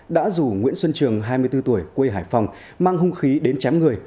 đã rủ nguyễn xuân trường hai mươi bốn tuổi quê hải phòng mang hung khí đến chém người